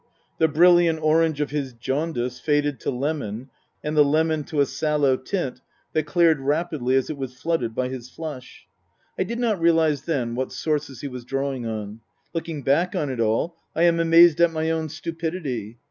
The brilliant orange of his jaundice faded to lemon, and the lemon to a sallow tint that cleared rapidly as it was flooded by his flush. I did not realize then what sources he was drawing on. Looking back on it all, I am amazed at my own stupidity.